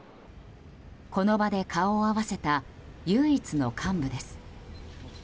この場で顔を合わせた唯一の幹部です。